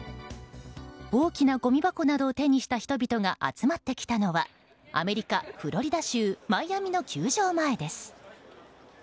大きなごみ箱などを手にした人々が集まってきたのはアメリカ・フロリダ州マイアミの球場前です。